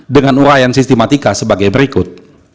dengan urayan sistematika sebagai berikut